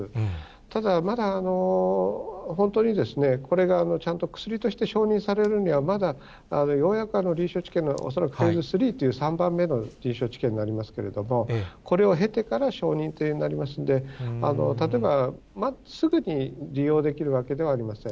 ただ、まだ本当に、これがちゃんと薬として承認されるには、まだようやく臨床試験がおそらくフェーズ３という臨床試験になりますけれども、これを経てから承認ということになりますので、例えば、すぐに利用できるわけではありません。